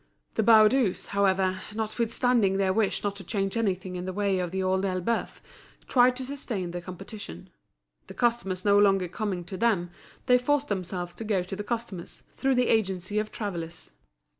The Baudus, however, notwithstanding their wish not to change anything in the way of The Old Elbeuf, tried to sustain the competition. The customers no longer coming to them, they forced themselves to go to the customers, through the agency of travellers.